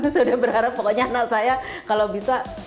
saya udah berharap pokoknya anak saya kalau bisa sampai ke olimpiade gitu